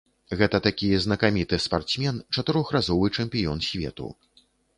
Гэта такі знакаміты спартсмен, чатырохразовы чэмпіён свету.